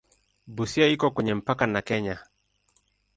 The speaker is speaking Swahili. Busia iko kwenye mpaka na Kenya.